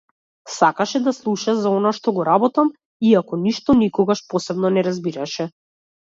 Сакаше да слуша за она што го работам, иако ништо никогаш посебно не разбираше.